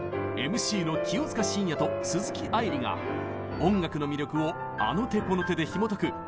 ＭＣの清塚信也と鈴木愛理が音楽の魅力をあの手この手でひもとく